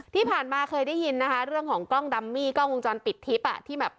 ที่ผ่านมาเคยได้ยินเรื่องของกล้องดำมี้ดำมี่กล้องวงจรปิดทิศ